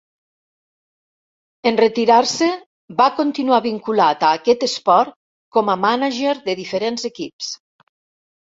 En retirar-se va continuar vinculat a aquest esport com a mànager de diferents equips.